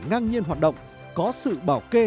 ngang nhiên hoạt động có sự bảo kê